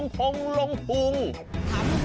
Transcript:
เฮยกตำบล